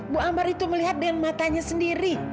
bu ambar itu melihat dengan matanya sendiri